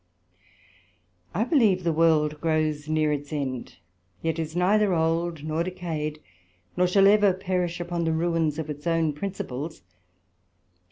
I believe the World grows near its end, yet is neither old nor decayed, nor shall ever perish upon the ruines of its own Principles.